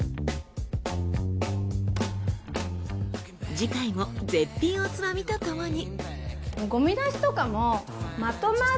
次回も絶品おつまみとともに。